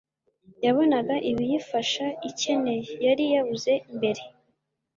yabona ibiyifasha ikeneye, yari yabuze mbere.